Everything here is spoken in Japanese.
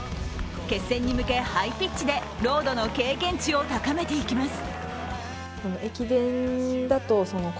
決戦に向けハイピッチでロードの経験値を高めていきます。